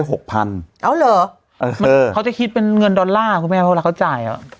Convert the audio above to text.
เอาเหรอเขาจะคิดเป็นเงินดอลลาร์เพราะเขาจ่าย